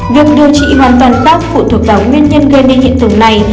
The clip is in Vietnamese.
việc điều trị hoàn toàn khác phụ thuộc vào nguyên nhân gây nên hiện tượng này